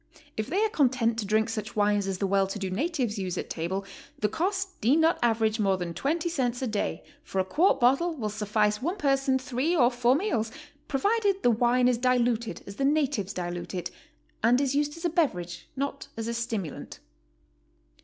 If they are content to drink such wines as the well to do natives use at table, the cost need not average more than 20 cents a day, for a quart bottle will suffice one person three or four meals, provided the wine is diluted as the natives dilute it, and is used as a beverage, not as a stimulant.